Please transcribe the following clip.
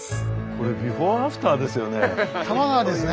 これ「ビフォーアフター」ですよね。